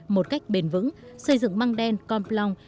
một cách bền vững xây dựng măng đen con plong